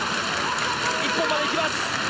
一本までいきます。